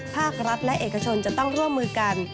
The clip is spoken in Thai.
ภาคเอกชนมองว่าภาครัฐและเอกชนจะต้องร่วมมือกัน